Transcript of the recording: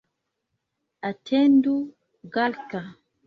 Atendu, Galka!